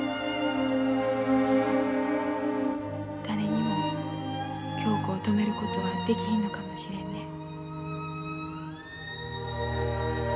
誰にも恭子を止めることはできひんのかもしれんね。